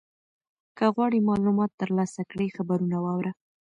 که غواړې معلومات ترلاسه کړې خبرونه واوره.